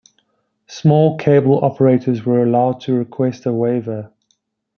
Small cable operators were allowed to request a waiver.